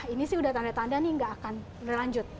ini sudah tanda tanda ini tidak akan berlanjut